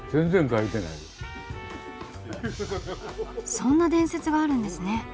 そんな伝説があるんですね！